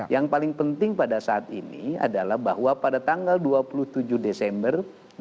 yang paling penting pada saat ini adalah bahwa pada tanggal dua puluh tujuh desember dua ribu dua puluh